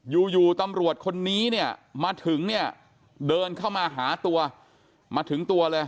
อยู่อยู่ตำรวจคนนี้เนี่ยมาถึงเนี่ยเดินเข้ามาหาตัวมาถึงตัวเลย